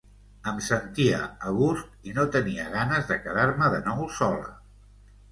Em sentia a gust i no tenia ganes de quedar-me de nou sola.